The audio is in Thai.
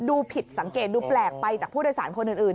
ดูผิดสังเกตดูแปลกไปจากผู้โดยสารคนอื่น